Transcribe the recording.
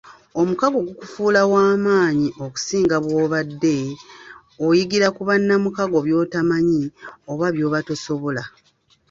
Omukago gukufuula w'amaanyi okusinga bw'obadde; oyigira ku bannamukago by'otamanyi oba byoba tosobola.